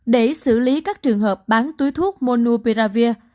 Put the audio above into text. để xử lý các trường hợp bán túi thuốc monopiravir